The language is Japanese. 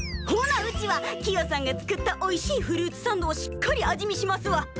ほなうちはキヨさんが作ったおいしいフルーツサンドをしっかり味見しますわ！